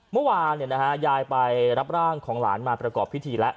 เมื่อวานยายไปรับร่างของหลานมาประกอบพิธีแล้ว